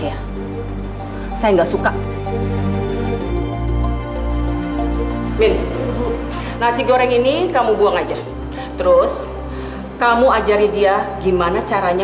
ya saya enggak suka min nasi goreng ini kamu buang aja terus kamu ajari dia gimana caranya